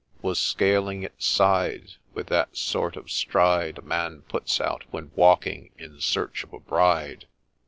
Was scaling its side With that sort of stride A man puts out when walking in search of a bride.